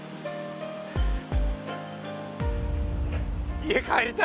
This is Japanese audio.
家帰りたいな。